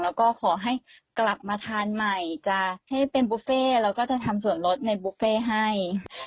แล้วก็ขอให้กลับมาทานใหม่จะให้เป็นบุฟเฟ่แล้วก็จะทำส่วนลดในบุฟเฟ่ให้